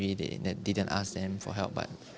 atau mungkin mereka tidak meminta bantuan